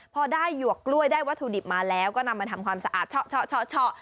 พอได้หยวกกล้วยได้วัตถุดิบมาแล้วก็นำมาทำความสะอาด